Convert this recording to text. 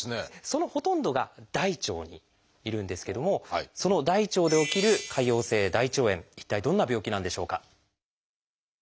そのほとんどが大腸にいるんですけどもその大腸で起きる潰瘍性大腸炎一体どんな病気なんでしょうか？